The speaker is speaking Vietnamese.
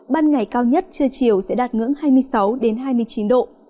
ban ngày cao nhất trưa chiều sẽ đạt ngưỡng hai mươi sáu hai mươi chín độ